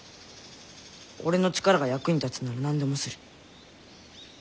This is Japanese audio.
俺の力が役に立つなら何でもする。